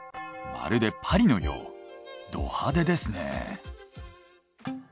まるでパリのようド派手ですね。